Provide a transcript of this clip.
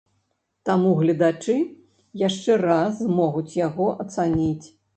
Таму гледачы яшчэ раз змогуць яго ацаніць.